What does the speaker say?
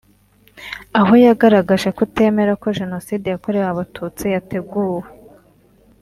aho yagaragaje kutemera ko Jenoside yakorewe Abatutsi yateguwe